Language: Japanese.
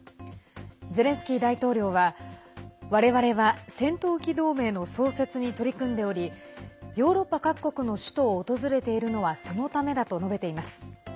ゼレンスキー大統領は我々は戦闘機同盟の創設に取り組んでおりヨーロッパ各国の首都を訪れているのはそのためだと述べています。